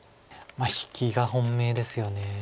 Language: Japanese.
引きが本命ですよね。